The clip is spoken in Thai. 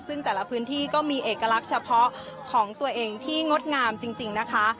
ซึ่งแต่ละพื้นที่ก็มีเอกลักษณ์เฉพาะของตัวเองที่งดงามจริงนะคะ